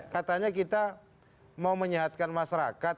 katanya kita mau menyehatkan masyarakat